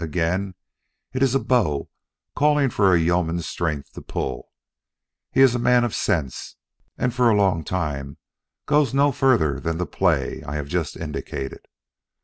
Again, it is a bow calling for a yeoman's strength to pull. He is a man of sense and for a long time goes no further than the play I have just indicated.